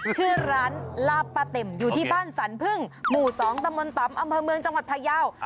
ชื่อร้านลาบป้าเต็มอยู่ที่บ้านสรรพึ่งหมู่๒ตะมนตำอำเภอเมืองจังหวัดพยาว